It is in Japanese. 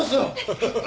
ハハハ。